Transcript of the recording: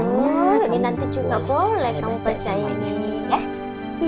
ini nanti juga boleh kamu percaya nih